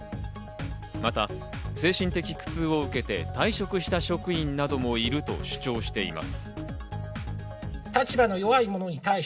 また精神的苦痛を受けて退職した職員などもいると主張しています。